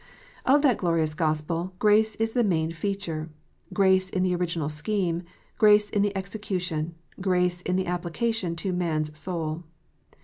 Of that glorious Gospel, grace is the main feature, grace in the original scheme grace in the execution grace in the application to man s soul.